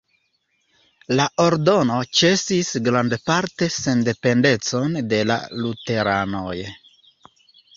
La ordono ĉesis grandparte sendependecon de la luteranoj.